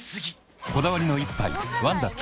こだわりの一杯「ワンダ極」